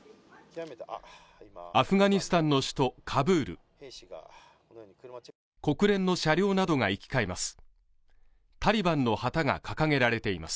アフガニスタンの首都カブール国連の車両などが行き交います